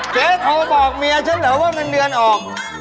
เจ๊โทรบอกเมียฉันเหรอว่าเงินเดือนออก